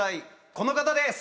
この方です。